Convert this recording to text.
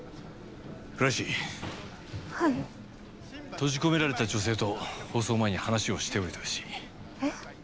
閉じ込められた女性と放送前に話をしておいてほしい。え。